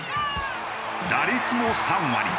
打率も３割。